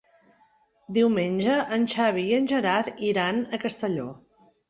Diumenge en Xavi i en Gerard iran a Castelló.